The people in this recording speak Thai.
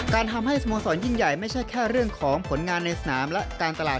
ทำให้สโมสรยิ่งใหญ่ไม่ใช่แค่เรื่องของผลงานในสนามและการตลาด